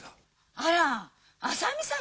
あら浅見さん